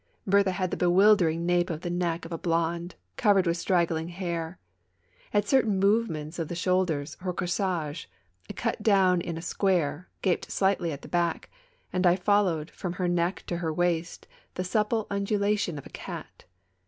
Berthe had the bewildering nape of the neck of a blonde, covered with straggling hair. At certain movements of the shoulders, her corsage, cut down in a square, gaped slightly at the back, and I followed, from her neck to her waist, the supple undulation of a cat.